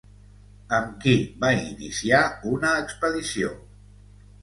Amb qui va iniciar una expedició?